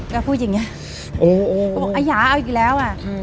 แล้วพูดอย่างเงี้ยโอ้โหอะอย่าเอาอีกแล้วอ่ะใช่